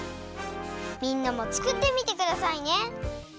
みんなもつくってみてくださいね。